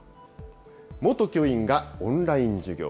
元教員がオンライン授業。